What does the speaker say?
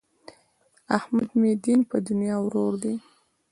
احمد مې دین په دنیا ورور دی.